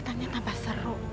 terlihat lebih seru